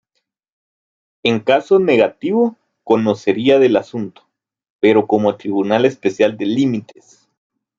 En caso negativo conocería del asunto, pero como tribunal especial de límites.